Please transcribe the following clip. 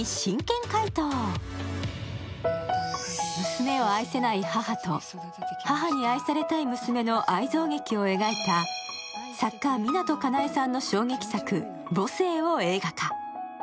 娘を愛せない母と母に愛されたい娘の愛憎劇を描いた作家・湊かなえさんの衝撃作「母性」を映画化。